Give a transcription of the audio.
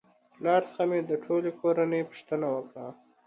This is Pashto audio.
پلار څخه مې د ټولې کورنۍ پوښتنه وکړه